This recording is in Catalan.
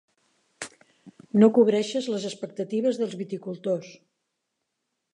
No cobreixes les expectatives dels viticultors.